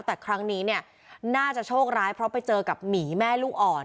แต่ครั้งนี้เนี่ยน่าจะโชคร้ายเพราะไปเจอกับหมีแม่ลูกอ่อน